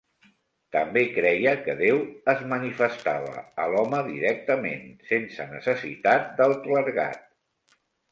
També creia que Déu es manifestava a l'home directament, sense necessitat del clergat.